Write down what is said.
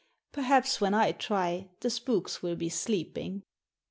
Perhaps when I try the spooks will be sleeping."